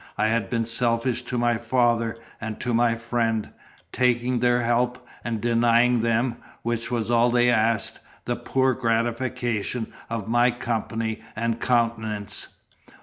I had been selfish to my father and to my friend, taking their help, and denying them (which was all they asked) the poor gratification of my company and countenance.